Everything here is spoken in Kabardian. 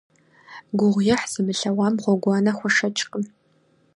Гугъуехь зымылъэгъуам гъуэгуанэ хуэшэчкъым.